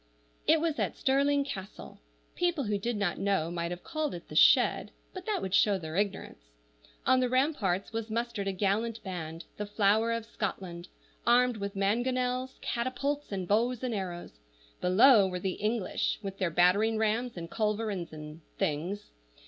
IT was at Stirling Castle. People who did not know might have called it the shed, but that would show their ignorance. On the ramparts was mustered a gallant band, the flower of Scotland, armed with mangonels, catapults, and bows and arrows; below were the English, with their battering rams and culverins and things.